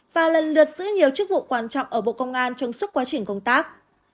và lần lượt giữ nhiều chức vụ quan trọng ở bộ công an trong suốt quá trình công tác